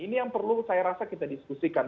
ini yang perlu saya rasa kita diskusikan